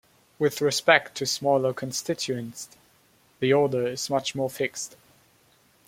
With respect to smaller constituents, the order is much more fixed.